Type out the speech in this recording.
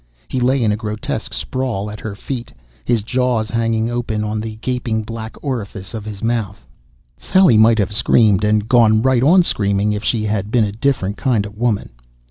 He lay in a grotesque sprawl at her feet, his jaw hanging open on the gaping black orifice of his mouth ... Sally might have screamed and gone right on screaming if she had been a different kind of woman.